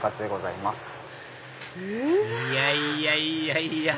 いやいやいやいや！